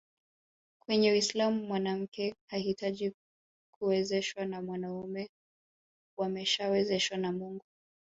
Kwenye Uislamu mwanamke hahitaji kuwezeshwa na mwanaume wameshawezeshwa na Mungu